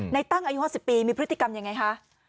ในตั้งอายุเกี่ยวกัน๑๐ปีมีพฤติกรรมยังไงคะ